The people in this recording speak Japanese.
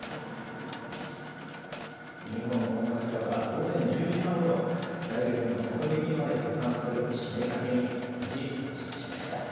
２本の御柱は午前１０時半ごろ来月の里曳まで保管する注連掛けに無事到着しました。